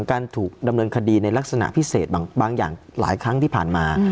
การถูกดำเนินคดีในลักษณะพิเศษบางอย่างหลายครั้งที่ผ่านมา